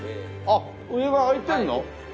あっ上は開いてるの？